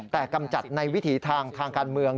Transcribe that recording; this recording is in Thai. แต่กำจัดในวิถีทางทางการเมือง